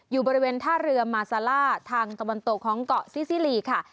อยู่บริเวณท่าเรือมาซาล่าทางตะวันตกของเกาะซิซิลีค่ะ